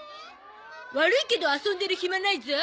悪いけど遊んでる暇ないゾ。